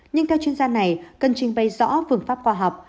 nhưng theo chuyên gia này cần trình bày rõ phương pháp khoa học